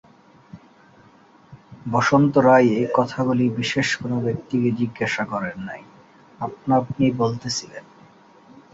বসন্ত রায় এ-কথাগুলি বিশেষ কোনো ব্যক্তিকে জিজ্ঞাসা করেন নাই– আপনা-আপনি বলিতেছিলেন।